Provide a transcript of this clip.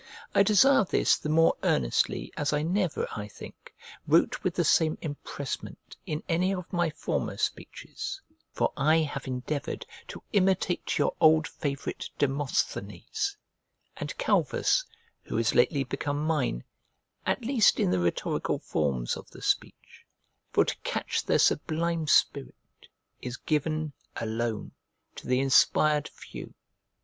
I desire this the more earnestly as I never, I think, wrote with the same empressment in any of my former speeches; for I have endeavoured to imitate your old favourite Demosthenes and Calvus, who is lately become mine, at least in the rhetorical forms of the speech; for to catch their sublime spirit, is given, alone, to the "inspired few."